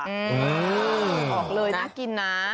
อื้อออกเลยนะ